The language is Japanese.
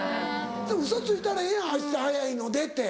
ウソついたらええやん「あした早いので」って。